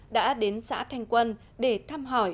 đã đến xã thanh quân để thăm hỏi